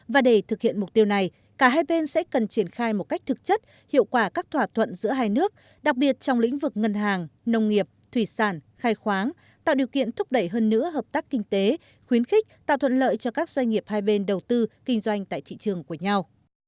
và để thực hiện mục tiêu này cả hai bên sẽ cần triển khai một cách thực chất hiệu quả các thỏa thuận giữa hai nước đặc biệt trong lĩnh vực ngân hàng nông nghiệp thủy sản khai khoáng tạo điều kiện thúc đẩy hơn nữa hợp tác kinh tế khuyến khích tạo thuận lợi cho các doanh nghiệp hai bên đầu tư kinh doanh tại thị trường của nhau